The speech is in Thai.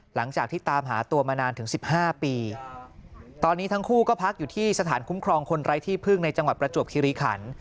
หลังจากที่ตามหาตัวมานานถึงสิบห้าปีตอนนี้ทั้งคู่ก็พักอยู่ที่สถานคุ้มครองคนไร้ที่พึ่งในจังหวัดประจวบคิริขัน